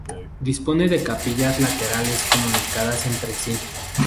Dispone de capillas laterales comunicadas entre sí.